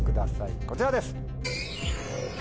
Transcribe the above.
こちらです。